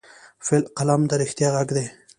قلم د رښتیا غږ دی